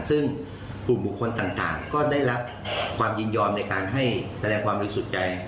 ซึ่งกลุ่มบุคคลต่างก็ได้รับความยินยอมในการให้แสดงความบริสุทธิ์ใจ